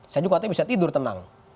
saya juga bisa tidur tenang